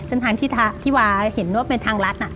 เส้นทางที่วาเห็นว่าเป็นทางรัฐน่ะ